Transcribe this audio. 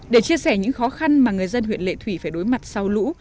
để chia sẻ những khó khăn mà người dân huyện lệ thủy phải đối mặt sau lũ